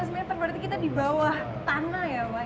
lima belas meter berarti kita di bawah tanah ya mas